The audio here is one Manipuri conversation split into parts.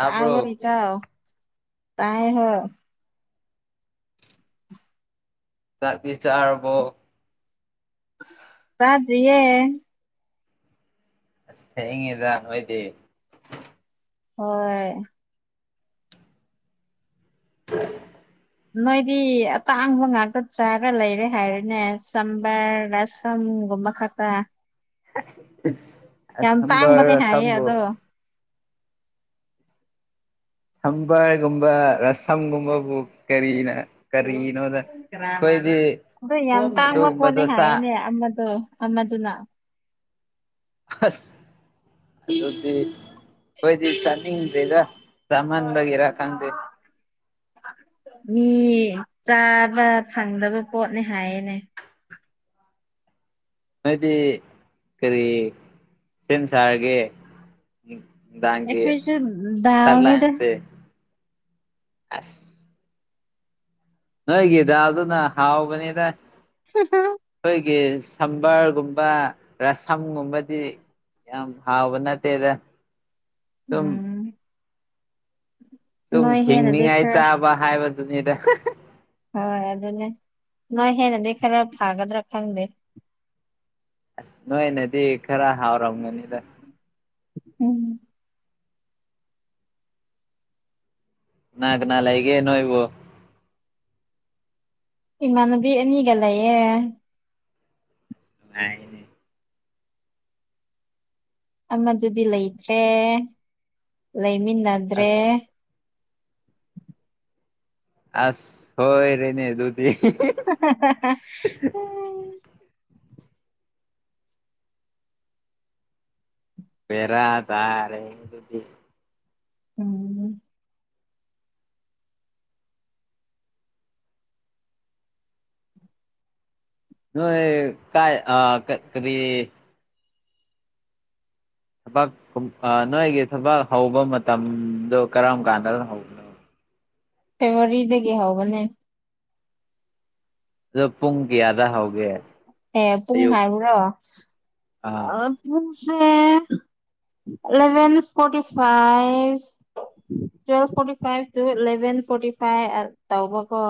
ꯇꯥꯕ꯭ꯔꯣ ꯏꯇꯥꯎ ꯇꯥꯏꯌꯦ ꯆꯥꯛꯇꯤ ꯆꯥꯔꯕꯣ ꯆꯥꯗ꯭ꯔꯤꯌꯦ ꯑꯁ ꯊꯦꯡꯉꯦꯗ ꯅꯣꯏꯗꯤ ꯍꯣꯏ [inaudible] ꯅꯣꯏꯗꯤ ꯑꯇꯥꯡꯕ ꯉꯥꯛꯇ ꯆꯥꯔ ꯂꯩꯔꯦ ꯍꯥꯏꯔꯦꯅꯦ ꯁꯝꯕꯔ ꯔꯁꯝꯒꯨꯝꯕ ꯈꯛ ꯑꯁ ꯌꯥꯝ ꯁꯝꯕꯔ ꯇꯥꯡꯕꯅꯦ ꯍꯥꯏꯌꯦ ꯔꯁꯝꯕꯨ ꯑꯗꯣ ꯁꯝꯕꯔꯒꯨꯝꯕ ꯔꯁꯝꯒꯨꯝꯕꯕꯨ ꯀꯔꯤꯅ ꯀꯔꯤꯅꯣꯗ ꯈꯣꯏꯗꯤ ꯑꯗꯨ ꯌꯥꯝ ꯇꯥꯡꯕ ꯄꯣꯠꯅꯦ ꯍꯥꯏꯌꯦꯅꯦ ꯑꯃꯗꯣ ꯑꯃꯗꯨꯅ ꯑꯁ ꯑꯗꯨꯗꯤ ꯈꯣꯏꯗꯤ ꯆꯥ ꯅꯤꯡꯗ꯭ꯔꯦꯗ ꯆꯥꯃꯟꯕꯒꯤꯔꯥ ꯈꯪꯗꯦ ꯃꯤ ꯆꯥꯕ ꯐꯪꯗꯕ ꯄꯣꯠꯅꯦ ꯍꯥꯏꯌꯦꯅꯦ ꯅꯣꯏꯗꯤ ꯀꯔꯤ ꯁꯦꯝ ꯁꯥꯔꯒꯦ ꯅꯨꯡꯗꯥꯡꯒꯤ ꯑꯩꯈꯣꯏꯁꯨ ꯗꯥꯎꯅꯤꯗ ꯆꯥꯛꯂꯥꯟꯁꯦ ꯑꯁ ꯅꯣꯏꯒꯤ ꯗꯥꯜꯗꯨꯅ ꯍꯥꯎꯕꯅꯤꯗ [unintelligible] ꯈꯣꯏꯒꯤ ꯁꯝꯕꯔꯒꯨꯝꯕ ꯔꯥꯁꯝꯒꯨꯝꯕꯗꯤ ꯌꯥꯝ ꯍꯥꯎꯕ ꯅꯠꯇꯦꯗ ꯁꯨꯝ ꯎꯝ ꯁꯨꯝ ꯅꯣꯏ ꯍꯦꯟꯅꯗꯤ ꯍꯤꯡꯅꯤꯡꯉꯥꯏ ꯈꯔ ꯆꯥꯕ ꯍꯥꯏꯕꯗꯨꯅꯤꯗ ꯍꯣꯏ ꯑꯗꯨꯅꯦ ꯅꯣꯏ ꯍꯦꯟꯅꯗꯤ ꯈꯔ ꯐꯥꯒꯗ꯭ꯔꯥ ꯈꯪꯗꯦ ꯑꯁ ꯅꯣꯏꯅꯗꯤ ꯈꯔ ꯍꯥꯎꯔꯝꯒꯅꯤꯗ ꯎꯝ ꯀꯅꯥ ꯀꯅꯥ ꯂꯩꯒꯦ ꯅꯣꯏꯕꯨ ꯏꯃꯥꯟꯅꯕꯤ ꯑꯅꯤꯒ ꯂꯩꯌꯦ ꯅꯨꯉꯥꯏꯌꯦꯅꯦ ꯑꯃꯗꯨꯗꯤ ꯂꯩꯇ꯭ꯔꯦ ꯂꯩꯃꯤꯟꯅꯗ꯭ꯔꯦ ꯑꯁ ꯑꯁ ꯁꯣꯏꯔꯦꯅꯤ ꯑꯗꯨꯗꯤ [unintelligible] ꯕꯦꯔꯥ ꯇꯥꯔꯦꯍꯦ ꯑꯗꯨꯗꯤ ꯎꯝ ꯅꯣꯏ ꯀꯥꯏ ꯑ ꯀ ꯀꯔꯤ ꯊꯕꯛ ꯑ ꯅꯣꯏꯒꯤ ꯊꯕꯛ ꯍꯧꯕ ꯃꯇꯝꯗꯣ ꯀꯔꯝ ꯀꯥꯟꯗ ꯅꯣ ꯍꯧꯕ ꯐꯦꯕꯋꯥꯔꯤꯗꯒꯤ ꯍꯧꯕꯅꯦ ꯑꯗꯣ ꯄꯨꯡ ꯀꯌꯥꯗ ꯍꯧꯒꯦ ꯑꯦ ꯄꯨꯡ ꯑꯌꯨꯛ ꯍꯥꯏꯌꯨꯔꯣ ꯑꯥ ꯑ ꯄꯨꯡꯁꯦ eleven forty five twelve forty five two eleven forty five ꯑ ꯇꯧꯕꯀꯣ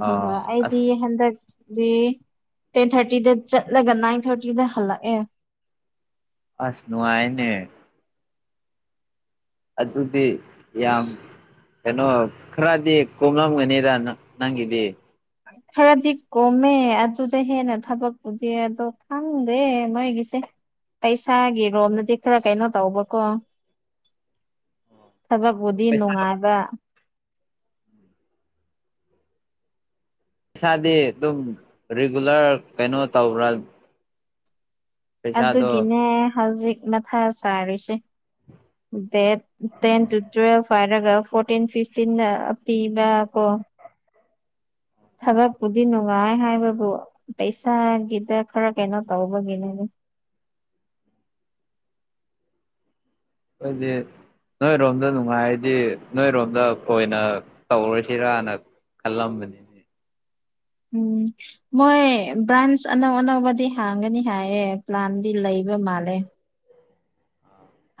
ꯑꯗꯨꯒ ꯑꯩꯗꯤ ꯑꯁ ꯍꯟꯗꯛ ꯗꯤ ꯇꯦꯟ ꯊ꯭ꯔꯠꯇꯤꯗ ꯆꯠꯂꯒ ꯅꯥꯏꯟ ꯊ꯭ꯔꯠꯇꯤꯗ ꯍꯜꯂꯛꯑꯦ ꯑꯁ ꯅꯨꯡꯉꯥꯏꯅꯦ ꯑꯗꯨꯗꯤ ꯌꯥꯝ ꯀꯩꯅꯣ ꯈꯔꯗꯤ ꯀꯣꯝꯂꯝꯒꯅꯤꯗ ꯅꯪꯒꯤꯗꯤ ꯈꯔꯗꯤ ꯀꯣꯝꯃꯦ ꯑꯗꯨꯗ ꯍꯦꯟꯅ ꯊꯕꯛꯄꯨꯗꯤ ꯑꯗꯣ ꯈꯪꯗꯦ ꯃꯣꯏꯒꯤꯁꯦ ꯄꯩꯁꯥꯒꯤ ꯔꯣꯝꯗꯗꯤ ꯈꯔ ꯀꯩꯅꯣ ꯇꯧꯕꯀꯣ ꯊꯕꯛꯄꯨꯗꯤ ꯄꯩꯁꯥ ꯅꯨꯡꯉꯥꯏꯕ ꯄꯩꯁꯥꯗꯤ ꯗꯨꯝ ꯔꯤꯒꯨꯂꯔ ꯀꯩꯅꯣ ꯇꯧꯕ꯭ꯔꯥ ꯄꯩꯁꯥꯗꯣ ꯑꯗꯨꯒꯤꯅꯦ ꯍꯧꯖꯤꯛ ꯃꯊꯥ ꯁꯥꯔꯤꯁꯦ ꯗꯦꯠ ꯇꯦꯟ ꯇꯨ ꯇꯨꯋꯦꯜꯚ ꯍꯥꯏꯔꯒ ꯐꯣꯔꯇꯤꯟ ꯐꯤꯐꯇꯤꯟꯗ ꯄꯤꯕ ꯀꯣ ꯊꯕꯛꯄꯨꯗꯤ ꯅꯨꯡꯉꯥꯏ ꯍꯥꯏꯕꯕꯨ ꯄꯩꯁꯥꯒꯤꯗ ꯈꯔ ꯀꯩꯅꯣ ꯇꯧꯕꯒꯤꯅꯦ ꯑꯩꯈꯣꯢꯘꯤ ꯅꯣꯏꯔꯣꯝꯗ ꯅꯨꯡꯉꯥꯏꯔꯗꯤ ꯅꯣꯏꯔꯣꯝꯗ ꯑꯣꯏꯅ ꯇꯧꯔꯁꯤꯔꯅ ꯈꯜꯂꯝꯕꯅꯤ ꯎꯝ ꯃꯣꯏ ꯕ꯭ꯔꯥꯟꯁ ꯑꯅꯧ ꯑꯅꯧꯕꯗꯤ ꯍꯥꯡꯒꯅꯤ ꯍꯥꯏꯌꯦ ꯄ꯭ꯂꯥꯟꯗꯤ ꯂꯩꯕ ꯃꯥꯜꯂꯦ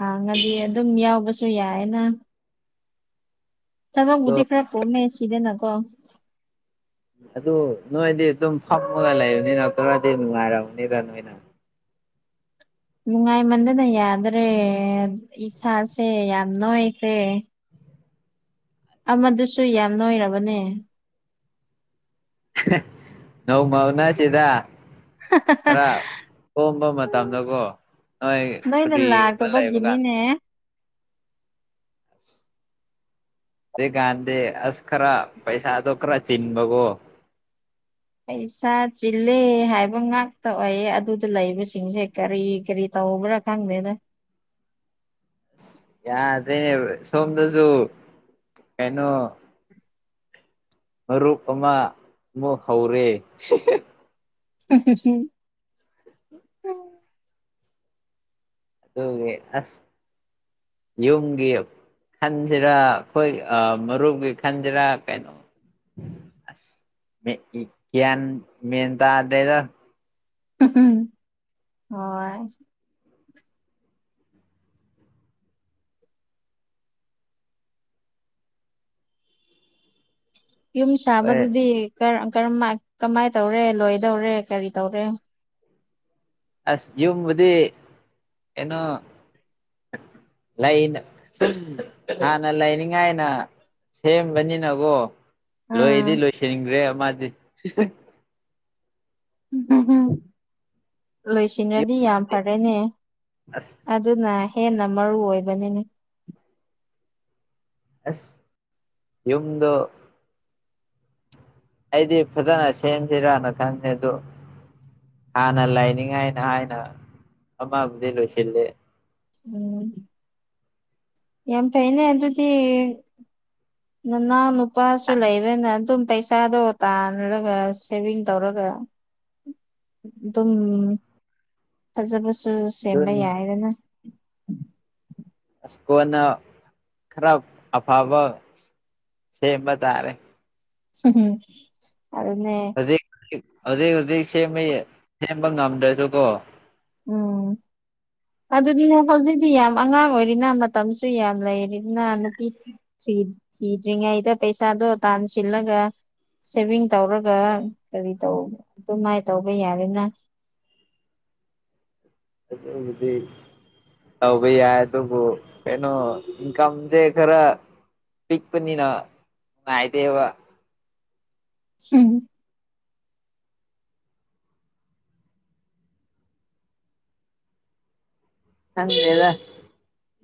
ꯍꯥꯡꯉꯗꯤ ꯑꯗꯨꯝ ꯌꯥꯎꯕꯁꯨ ꯌꯥꯏꯌꯦꯅ ꯑꯗꯣ ꯊꯕꯛꯕꯨꯗꯤ ꯈꯔ ꯀꯣꯝꯃꯦ ꯁꯤꯗꯅꯀꯣ ꯑꯗꯨ ꯅꯣꯏꯗꯤ ꯑꯗꯨꯝ ꯐꯝꯃꯒ ꯂꯩꯕꯅꯤꯅ ꯈꯔꯗꯤ ꯅꯨꯡꯉꯥꯏꯔꯝꯅꯤꯗ ꯅꯣꯏꯅ ꯅꯨꯡꯉꯥꯏꯃꯟꯗꯅ ꯌꯥꯗ꯭ꯔꯦ ꯏꯁꯥꯁꯦ ꯌꯥꯝ ꯅꯣꯏꯈ꯭ꯔꯦ ꯑꯃꯗꯨꯁꯨ ꯌꯥꯝ ꯅꯣꯏꯔꯕꯅꯦ ꯅꯣꯡꯃ ꯎꯅꯁꯤꯗ ꯈꯔ ꯀꯣꯝꯕ ꯃꯇꯝꯗꯀꯣ ꯅꯣꯏ ꯅꯣꯏꯅ ꯐ꯭ꯔꯤꯒꯨꯝꯕ ꯂꯩꯕ ꯀꯥꯟ ꯂꯥꯛꯇꯕꯒꯤꯅꯤꯅꯦ ꯍꯧꯖꯤꯛ ꯒꯥꯟꯗꯤ ꯑꯁ ꯈꯔ ꯄꯩꯁꯥꯗꯣ ꯈꯔ ꯆꯤꯟꯕꯒꯣ ꯄꯩꯁꯥ ꯆꯤꯜꯂꯦ ꯍꯥꯏꯕ ꯉꯥꯛꯇ ꯑꯣꯏꯌꯦ ꯑꯗꯨꯗ ꯂꯩꯕꯁꯤꯡꯁꯦ ꯀꯔꯤ ꯀꯔꯤ ꯇꯧꯕ꯭ꯔꯥ ꯈꯪꯗꯦꯗ ꯑꯁ ꯌꯥꯗ꯭ꯔꯦ ꯁꯣꯝꯗꯁꯨ ꯀꯩꯅꯣ ꯃꯔꯨꯞ ꯑꯃ ꯑꯃꯨꯛ ꯍꯧꯔꯦ [unintelligible] ꯑꯗꯨꯒꯤ ꯑꯁ ꯌꯨꯝꯒꯤ ꯈꯟꯁꯤꯔꯥ ꯑꯩꯈꯣꯏ ꯑ ꯃꯔꯨꯞꯒꯤ ꯈꯟꯁꯤꯔꯥ ꯀꯩꯅꯣ ꯑꯁ ꯃꯦꯟ ꯒꯌꯥꯟ ꯃꯦꯟ ꯇꯗꯦꯗ ꯍꯣꯏ ꯌꯨꯝ ꯍꯣꯏ ꯁꯥꯕꯗꯨꯗꯤ ꯀꯔꯝꯃꯥꯏ ꯀꯃꯥꯏꯅ ꯇꯧꯔꯦ ꯂꯣꯏꯗꯧꯔꯦ ꯀꯔꯤ ꯇꯧꯔꯦ ꯑꯁ ꯌꯨꯝꯕꯨꯗꯤ ꯑꯦꯅꯣ ꯂꯩꯅ ꯁꯨꯝ ꯍꯥꯟꯅ ꯂꯩꯅꯤꯡꯉꯥꯏꯅ ꯁꯦꯝꯕꯅꯤꯅꯀꯣ ꯂꯣꯏꯗꯤ ꯑꯥ ꯂꯣꯏꯁꯤꯟꯈ꯭ꯔꯦ ꯑꯃꯗꯤ ꯎꯝꯝꯝ ꯂꯣꯏꯁꯤꯟꯒꯔꯗꯤ ꯌꯥꯝ ꯐꯔꯦꯅꯦ ꯑꯁ ꯑꯗꯨꯅ ꯍꯦꯟꯅ ꯃꯔꯨ ꯑꯣꯏꯕꯅꯤꯅꯦ ꯑꯁ ꯌꯨꯝꯗꫭ ꯑꯩꯗꯤ ꯐꯖꯅ ꯁꯦꯝꯁꯤꯔꯥꯅ ꯈꯟꯕꯅ‌ꯦ ꯑꯗꯣ ꯍꯥꯟꯅ ꯂꯥꯏꯅꯤꯡꯉꯥꯏꯅ ꯍꯥꯏꯅ ꯑꯃꯕꯨꯗꯤ ꯂꯣꯏꯁꯤꯜꯂꯦ ꯎꯝ ꯌꯥꯝ ꯐꯩꯅꯦ ꯑꯗꯨꯗꯤ ꯅꯅꯥꯎ ꯅꯨꯄꯥꯁꯨ ꯂꯩꯕꯅ ꯑꯗꯨꯝ ꯄꯩꯁꯥ ꯄꯩꯁꯥꯗꯣ ꯇꯥꯜꯂꯒ ꯁꯦꯕꯤꯡ ꯇꯧꯔꯒ ꯑꯗꯨꯝ ꯐꯖꯕꯁꯨ ꯁꯦꯝꯕ ꯑꯗꯨꯅꯤ ꯌꯥꯏꯗꯅ ꯑꯁ ꯀꯣꯟꯅ ꯈꯔ ꯑꯐꯕ ꯁꯦꯝꯕ ꯇꯥꯔꯦ ꯎꯝ ꯑꯗꯨꯅꯦ ꯍꯧꯖꯤꯛ ꯍꯧꯖꯤꯛ ꯍꯧꯖꯤꯛ ꯁꯦꯝꯕ ꯁꯦꯝꯕ ꯉꯝꯗ꯭ꯔꯁꯨ ꯀꯣ ꯎꯝ ꯑꯗꯨꯅꯦ ꯍꯧꯖꯤꯛꯇꯤ ꯌꯥꯝ ꯑꯉꯥꯡ ꯑꯣꯏꯔꯤꯅ ꯃꯇꯝꯁꯨ ꯌꯥꯝ ꯂꯩꯔꯤꯅ ꯅꯨꯄꯤ ꯊꯤ ꯊꯤꯗ꯭ꯔꯤꯉꯩꯗ ꯄꯩꯁꯥꯗꯣ ꯇꯥꯟꯁꯤꯜꯂꯒ ꯁꯦꯚꯤꯡ ꯇꯧꯔꯒ ꯀꯔꯤ ꯇꯧꯕ ꯑꯗꯨꯃꯥꯏꯅ ꯇꯧꯕ ꯌꯥꯔꯦꯅ ꯑꯗꯨꯕꯨꯗꯤ ꯇꯧꯕ ꯌꯥꯏ ꯑꯗꯨꯕꯨ ꯀꯩꯅꯣ ꯏꯟꯀꯝꯁꯦ ꯈꯔ ꯄꯤꯛ ꯄꯅꯤꯅ ꯅꯨꯡꯉꯥꯏꯇ‌ꯦꯕ ꯍꯝ ꯈꯪꯗꯦꯗ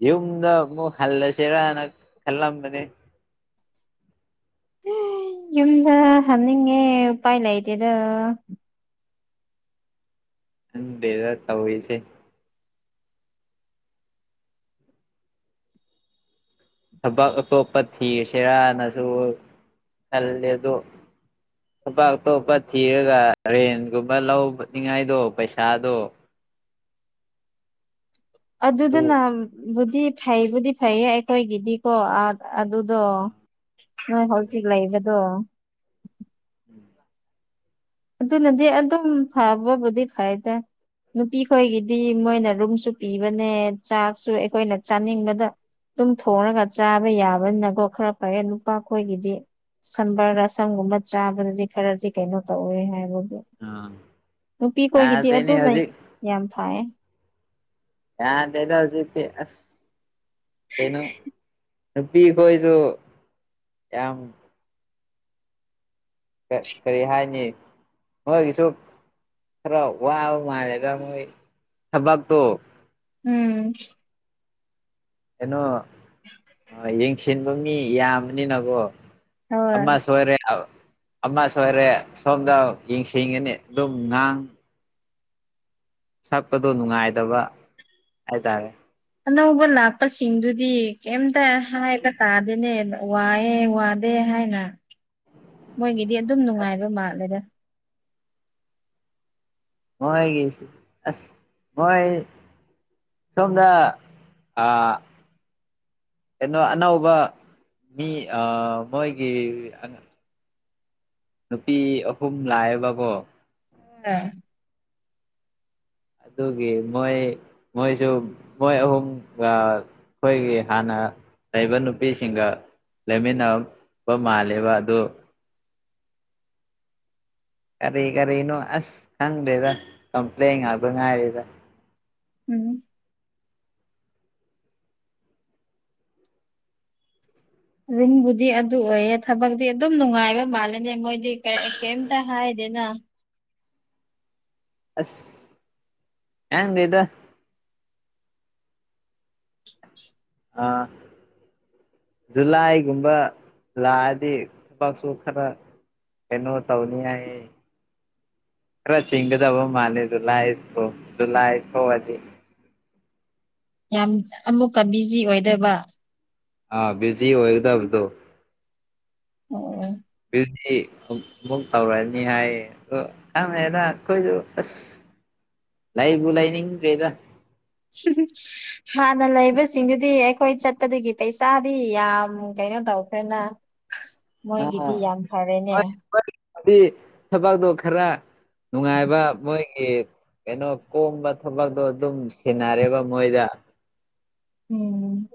ꯌꯨꯝꯗ ꯑꯃꯨꯛ ꯍꯜꯂꯁꯤꯔꯅ ꯈꯜꯂꯝꯕꯅꯤ ꯌꯨꯝꯗ ꯍꯥꯟꯅꯤꯡꯉꯦ ꯎꯄꯥꯏ ꯂꯩꯇꯦꯗꫭ ꯈꯪꯗ‌ꯦꯗ ꯇꯧꯔꯤꯁꯦ ꯊꯕꯛ ꯑꯇꯣꯞꯄ ꯊꯤꯔꯁꯤꯔꯅꯁꯨ ꯈꯜꯂꯦ ꯑꯗꯣ ꯊꯥꯕꯛ ꯑꯇꯣꯞꯄ ꯊꯤꯔꯒ ꯔꯦꯟꯒꯨꯝꯕ ꯂꯧꯅꯤꯡꯉꯥꯏꯗꯣ ꯄꯩꯁꯥꯗꯣ ꯑꯗꯨ ꯑꯗꯨꯗꯨꯅꯕꯨꯗꯤ ꯐꯩꯕꯨꯗꯤ ꯐꯩꯌꯦ ꯑꯩꯈꯣꯏꯒꯤꯗꯤꯀꯣ ꯑꯗꯨꯗꯣ ꯅꯣꯢ ꯍꯧꯖꯤꯛ ꯂꯩꯕꯗꯣ ꯎꯝ ꯑꯗꯨꯅꯗꯤ ꯑꯗꯨꯝ ꯐꯕꯕꯨꯗꯤ ꯐꯩꯗ ꯅꯨꯄꯤ ꯈꯣꯏꯒꯤꯗꯤ ꯃꯣꯏꯅ ꯔꯨꯝꯁꯨ ꯄꯤꯕꯅꯦ ꯆꯥꯛꯁꯨ ꯑꯩꯈꯣꯏꯅ ꯆꯥꯅꯤꯡꯕꯗ ꯑꯗꯨꯝ ꯊꯣꯡꯉꯒ ꯆꯥꯕ ꯌꯥꯕꯅꯤꯅꯀꯣ ꯈꯔ ꯐꯔꯦ ꯅꯨꯄꯥꯈꯣꯏꯒꯤꯗꯤ ꯁꯝꯕꯔ ꯔꯁꯪꯒꯨꯝꯕ ꯆꯥꯕꯗꯗꯤ ꯈꯔꯗꯤ ꯀꯩꯅꯣ ꯇꯧꯋꯦ ꯍꯥꯏꯕꯒꯣ ꯑꯥ ꯅꯨꯄꯤꯈꯣꯏꯒꯤꯗꯤ ꯑꯗꯨ ꯌꯥꯗ꯭ꯔꯦꯅꯦ ꯂꯩꯇꯦ ꯍꯧꯖꯤꯛ ꯌꯥꯝ ꯐꯥꯏꯌꯦ ꯌꯥꯗ‌ꯦꯗ ꯍꯧꯖꯤꯛꯇꯤ ꯑꯁ ꯀꯩꯅꫭ ꯅꯨꯄꯤꯈꫭꯏꯁꯨ ꯌꯥꯝ ꯀꯔꯤ ꯍꯥꯏꯅꯤ ꯃꯣꯏꯒꯤꯁꯨ ꯈꯔ ꯋꯥꯕ ꯃꯥꯜꯂꯦ ꯃꯣꯏ ꯊꯕꯛꯇꯣ ꯎꯝ ꯀꯩꯅꯣ ꯌꯦꯡꯁꯤꯟꯕ ꯃꯤ ꯌꯥꯝꯕꯅꯤꯅꯀꯣ ꯍꯣꯏ ꯑꯃ ꯁꯣꯏꯔꯦ ꯑꯃ ꯑꯃ ꯁꯣꯏꯔꯦ ꯁꯣꯝꯗ ꯌꯦꯡꯁꯤꯡꯒꯅꯤ ꯑꯗꯨꯝ ꯉꯥꯡ ꯁꯛꯄꯗꯣ ꯅꯨꯡꯉꯥꯏꯗꯕ ꯍꯥꯏꯇꯥꯔꯦ ꯑꯅꯧꯕ ꯂꯥꯛꯄꯁꯤꯡꯗꯨꯗꯤ ꯀꯩꯝꯇ ꯍꯥꯏꯕ ꯇꯥꯗꯦꯅꯦ ꯋꯥꯏꯑꯦ ꯋꯥ ꯕꯦ ꯍꯥꯏꯅ ꯃꯣꯏꯒꯤꯗꯤ ꯑꯗꯨꯝ ꯅꯨꯡꯉꯥꯏꯕ ꯃꯥꯜꯂꯦꯗ ꯃꯣꯏꯒꯤꯁꯤ ꯑꯁ ꯃꯣꯏ ꯁꯣꯝꯗ ꯑꯥ ꯀꯩꯅꯣ ꯑꯅꯧꯕ ꯃꯤ ꯑꯥ ꯃꯣꯏꯒꯤ ꯅꯨꯄꯤ ꯑꯍꯨꯝ ꯂꯥꯛꯑꯦꯕꯀꯣ [unintelligible] ꯗꯨꯒꯤ ꯃꯣꯏ ꯃꯣꯏꯁꯨ ꯃꯣꯏ ꯑꯍꯨꯝꯒ ꯑꯩꯈꯣꯏꯒꯤ ꯍꯥꯟꯅ ꯂꯩꯕ ꯅꯨꯄꯤꯁꯤꯡꯒ ꯂꯩꯃꯤꯟꯅ ꯕ ꯃꯥꯜꯂꯦꯕ ꯑꯗꯨ ꯀꯔꯤ ꯀꯔꯤꯅꯣ ꯑꯁ ꯈꯪꯗꯦꯗ ꯀꯝꯄ꯭ꯂꯦꯟ ꯉꯥꯛꯗ ꯉꯥꯏꯔꯦꯗ ꯎꯝ ꯔꯨꯝꯕꯨꯗꯤ ꯑꯗꯨ ꯑꯣꯏꯌꯦ ꯊꯕꯛꯇꯤ ꯑꯗꯨꯝ ꯅꯨꯡꯉꯥꯏꯕ ꯃꯥꯜꯂꯦꯅꯦ ꯃꯣꯏꯗꯤ ꯀꯩ ꯀꯌꯦꯝꯇ ꯍꯥꯏꯗꯦꯅ ꯑꯁ ꯑꯦꯟꯗꯤꯗ ꯑꯥ ꯖꯨꯂꯥꯏꯒꯨꯝꯕ ꯂꯥꯛꯑꯗꯤ ꯊꯕꯛꯁꯨ ꯈꯔ ꯀꯩꯅꯣ ꯇꯧꯅꯤꯉꯩ ꯈꯔ ꯆꯤꯡꯒꯗꯕ ꯃꯥꯜꯂꯦ ꯑꯗꯣ ꯂꯥꯏꯐꯇꯣ ꯖꯨꯂꯥꯏ ꯐꯣ ꯑꯗꯤ ꯌꯥꯝ ꯑꯃꯨꯛꯀ ꯕꯤꯖꯤ ꯑꯣꯏꯗꯩꯕ ꯑꯥ ꯕꯤꯖꯤ ꯑꯣꯏꯒꯗꯕꯗꯣ ꯑꯣ ꯕꯤꯠꯀꯤ ꯍꯨꯡ ꯍꯨꯡ ꯇꯧꯔꯛꯅꯤ ꯍꯥꯏꯌꯦ ꯑꯣ ꯑꯝꯍ꯭ꯔꯦꯗ ꯑꯈꯣꯏꯖꯨ ꯑꯁ ꯂꯩꯕꯨ ꯂꯩꯅꯤꯡꯗ꯭ꯔꯦꯗ [unintelligible] ꯍꯥꯟꯅ ꯂꯩꯕꯁꯤꯡꯗꯨꯗꯤ ꯑꯩꯈꯣꯏ ꯆꯠꯄꯗꯒꯤ ꯄꯩꯁꯥꯗꯤ ꯌꯥꯝ ꯀꯩꯅꯣ ꯇꯧꯈ꯭ꯔꯦꯅꯥ ꯑꯍꯁ [inaudible] ꯊꯕꯛꯗꯣ ꯈꯔ ꯅꯨꯡꯉꯥꯏꯕ ꯃꯣꯏꯒꯤ ꯀꯩꯅꯣ ꯀꯣꯝꯕ ꯊꯕꯛꯇꯣ ꯑꯗꯨꯝ ꯁꯤꯟꯅꯔꯦꯕ ꯃꯣꯏꯗ ꯎꯝ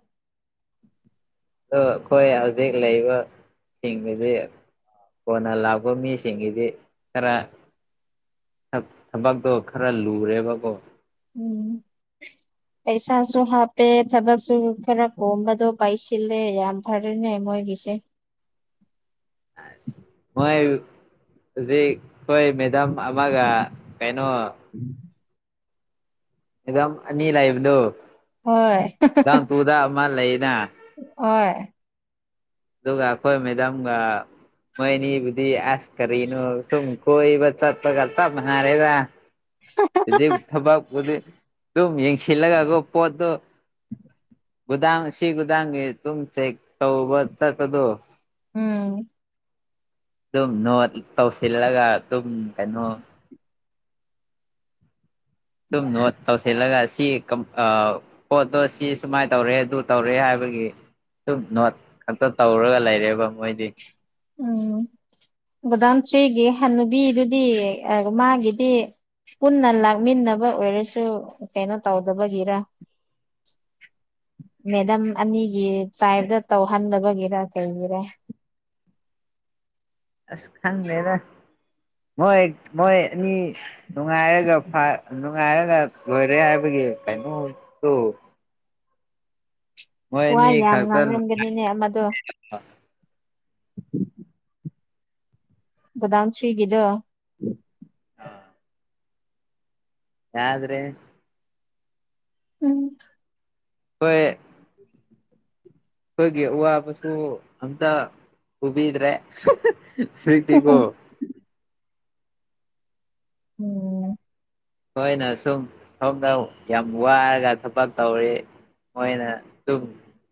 ꯑꯣ ꯑꯩꯈꯣꯏ ꯍꯧꯖꯤꯛ ꯂꯩꯕ ꯁꯤꯡꯒꯤꯗꯤ ꯀꯣꯟꯅ ꯂꯥꯛꯄ ꯃꯤꯁꯤꯡꯒꯤꯗꯤ ꯈꯔ ꯊꯕꯛꯇꯣ ꯈꯔ ꯂꯨꯔꯦꯕꯀꯣ ꯎꯝ ꯄꯩꯁꯥꯁꯨ ꯍꯥꯞꯄꯦ ꯊꯕꯛꯁꯨ ꯈꯔ ꯀꯣꯝꯕꯗꯣ ꯄꯥꯏꯁꯤꯜꯂꯦ ꯌꯥꯝ ꯐꯔꯦꯅꯦ ꯃꯣꯏꯒꯤꯁꯦ ꯑꯁ ꯍꯣꯏ ꯍꯧꯖꯤꯛ ꯑꯩꯈꯣꯏ ꯃꯦꯗꯥꯝ ꯑꯃꯒ ꯀꯩꯅꯣ ꯎꯝ ꯐꯤꯂꯝ ꯑꯅꯤ ꯂꯥꯏꯕꯗꯣ ꯍꯣꯏ ꯇꯥꯡ ꯇꯨꯗ ꯑꯃ ꯂꯩꯅꯥ ꯍꯣꯏ ꯗꯨꯒ ꯑꯈꯣꯏ ꯃꯦꯗꯥꯝꯒ ꯃꯣꯏ ꯑꯅꯤꯕꯨꯗꯤ ꯑꯥꯁ ꯀꯔꯤꯅꯣ ꯁꯨꯝ ꯀꯣꯏꯕ ꯆꯠꯄꯒ ꯆꯞ ꯃꯟꯅꯔꯦꯗ ꯍꯨꯖꯤꯛ ꯊꯕꯛ ꯎꯗꯤ ꯑꯗꯨꯝ ꯌꯦꯡꯁꯤꯜꯂꯒꯀꯣ ꯄꯣꯠꯇꯣ ꯒꯨꯗꯥꯡ ꯑꯁꯤ ꯒꯨꯗꯥꯡꯒꯤ ꯗꯨꯝ ꯆꯦꯛ ꯇꯧꯕ ꯆꯠꯄꯗꯣ ꯎꯝ ꯑꯗꯨꯝ ꯅꯣꯠ ꯇꯧꯁꯤꯜꯂꯒ ꯑꯗꯨꯝ ꯀꯩꯅꯣ [inaudible] ꯁꯨꯝ ꯅꯣꯠ ꯇꯧꯁꯤꯜꯂꯒ ꯁꯤ ꯀꯝ ꯑꯥ ꯄꯣꯠꯇꯣ ꯁꯤ ꯁꯨꯃꯥꯏꯅ ꯇꯧꯔꯦ ꯑꯗꯨ ꯇꯧꯔꯦ ꯍꯥꯏꯕꯒꯤ ꯁꯨꯝ ꯅꯣꯠ ꯈꯛꯇ ꯇꯧꯔꯒ ꯂꯩꯔꯦꯕ ꯃꯣꯏꯗꯤ ꯎꯝ ꯒꯣꯗꯥꯎꯟ ꯊ꯭ꯔꯤꯒꯤ ꯍꯅꯨꯕꯤꯗꯨꯗꯤ ꯑ ꯃꯥꯒꯤꯗꯤ ꯄꯨꯟꯅ ꯂꯥꯛꯃꯤꯟꯅꯕ ꯑꯣꯏꯔꯁꯨ ꯀꯩꯅꯣ ꯇꯧꯗꯕꯒꯤꯔ ꯃꯦꯗꯝ ꯑꯅꯤꯒꯤ ꯇꯥꯏꯞꯇ ꯇꯧꯍꯟꯗꯕꯒꯤꯔ ꯀꯩꯒꯤꯔ ꯑꯁ ꯈꯪꯗꯦꯗ ꯃꯣꯏ ꯃꯣꯏ ꯑꯅꯤ ꯅꯨꯡꯉꯥꯏꯔꯒ ꯐ ꯅꯨꯡꯉꯥꯏꯔꯒ ꯂꯣꯏꯔꯦ ꯍꯥꯏꯕꯒꯤ ꯀꯩꯅꯣ ꯇꯨ ꯃꯣꯏ ꯋꯥ ꯑꯅꯤ ꯌꯥꯝ ꯈꯛꯇ ꯉꯥꯡꯔꯝꯒꯅꯤꯅꯦ ꯑꯃꯗꯣ [inaudible] ꯒꯣꯗꯥꯎꯟ ꯊ꯭ꯔꯤꯒꯤꯗꯣ ꯌꯥꯗ꯭ꯔꯦ ꯎꯝ ꯑꯣꯋꯦ ꯈꯣꯏꯒꯤ ꯎꯋꯥꯕꯁꯨ ꯑꯝꯇ ꯎꯕꯤꯗ꯭ꯔꯦ ꯁꯤꯛꯇꯤꯀꯣ ꯎꯝ ꯅꯣꯏꯅ ꯁꯨꯝ ꯁꯣꯝꯗ ꯌꯥꯝ ꯋꯥꯔꯒ ꯊꯕꯛ ꯇꯧꯔꯦ ꯃꯣꯏꯅ ꯗꯨꯝ